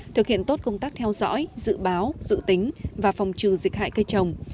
thực hiện tốt công tác theo dõi dự báo dự tính và phòng trừ dịch hại cây trồng